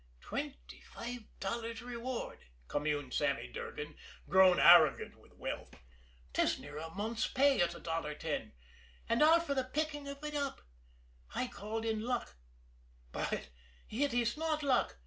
"Twenty five dollars reward!" communed Sammy Durgan, grown arrogant with wealth. "'Tis near a month's pay at a dollar ten and all for the picking of it up. I called it luck but it is not luck.